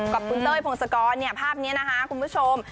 กับคุณเต้ยพงศกรภาพนี้นะคะคุณผู้ชม